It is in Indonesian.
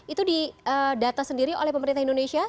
itu didata sendiri oleh pemerintah indonesia